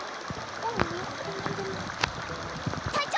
ううんなんでも。隊長！